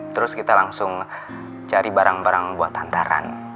terus kita langsung cari barang barang buat hantaran